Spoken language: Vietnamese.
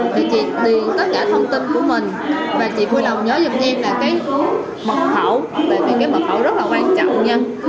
thì chị tìm tất cả thông tin của mình và chị vui lòng nhớ giùm em là cái mật khẩu bởi vì cái mật khẩu rất là quan trọng nha